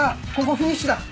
フィニッシュだ。